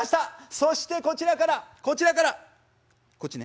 そしてこちらからこちらからこっちね。